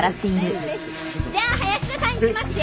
じゃあ林田さんいきますよ。